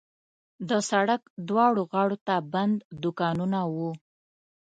د سړک دواړو غاړو ته بند دوکانونه وو.